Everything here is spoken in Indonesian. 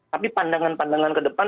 tapi pandangan pandangan ke depan